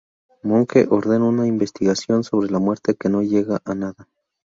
Möngke ordena una investigación sobre la muerte que no llega a nada.